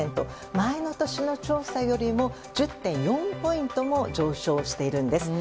前の年の調査よりも１０．４ポイントも上昇しているんです。